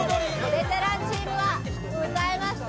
ベテランチームは歌えますか？